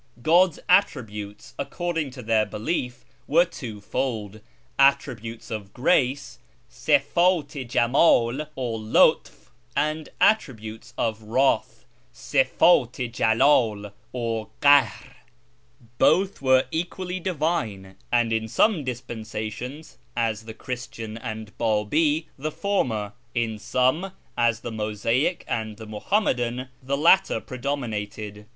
God's Attributes, according to their belief, were twofold — "Attributes of Grace" {8ifdt i Jemdl or Luff), and " Attributes of Wrath " {8ifdt i Jaldl or Kahr) : both were equally divine, and in some dispensations (as the Christian and Babi) the former, in some (as the Mosaic and the Muhammadan) the latter predominated.